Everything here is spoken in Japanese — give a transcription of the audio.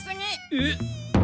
えっ？